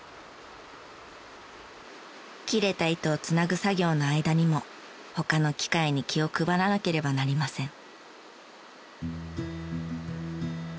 切れた糸を繋ぐ作業の間にも他の機械に気を配らなければなりません。